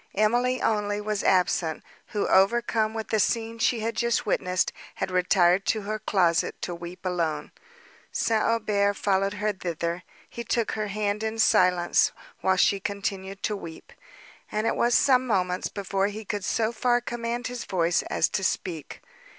Emily only was absent; who, overcome with the scene she had just witnessed, had retired to her closet to weep alone. St. Aubert followed her thither: he took her hand in silence, while she continued to weep; and it was some moments before he could so far command his voice as to speak.